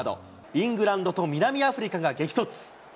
イングランドと南アフリカが激突。